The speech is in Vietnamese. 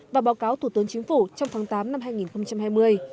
và báo cáo thủ tướng chính phủ trong tháng tám năm hai nghìn hai mươi